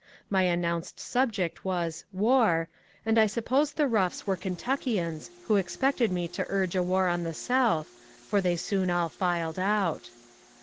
My announced subject was "War," and I suppose the roughs were Kentuckians who expected me to urge a war on the South, for they soon all filed out.